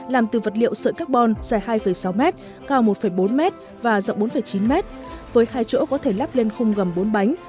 làm từ vật liệu sợi carbon dài hai sáu m cao một bốn m và rộng bốn chín m với hai chỗ có thể lắp lên khung gầm bốn bánh